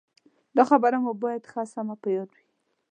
دا خبره مو باید ښه سمه په یاد وي.